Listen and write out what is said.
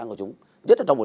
những tên chục